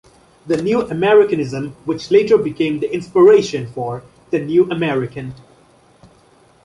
"The New Americanism", which later became the inspiration for "The New American".